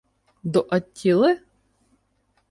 — До Аттіли?